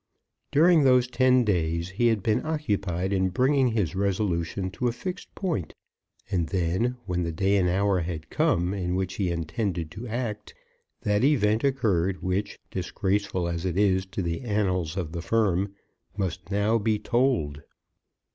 During those ten days he had been occupied in bringing his resolution to a fixed point; and then, when the day and hour had come in which he intended to act, that event occurred which, disgraceful as it is to the annals of the Firm, must now be told.